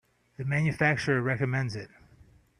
The manufacturer recommends it.